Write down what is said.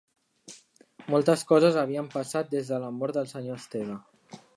Moltes coses havien passat des de la mort del senyor Esteve